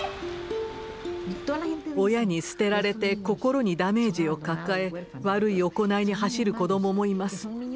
親に捨てられて心にダメージを抱え悪い行いに走る子どももいます。